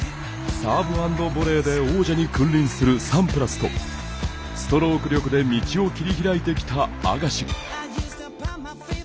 サーブ＆ボレーで王者に君臨するサンプラスとストローク力で道を切り開いてきたアガシ。